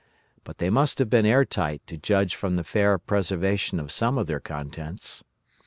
But they must have been air tight to judge from the fair preservation of some of their contents.